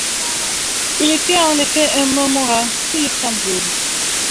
Il était en effet un Montmorency-Luxembourg.